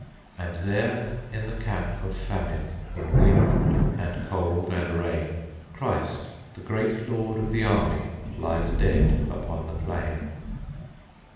And there in the camp of famine, In wind, and cold, and rain, Christ, the great Lord of the Army, vLies dead upon the plain.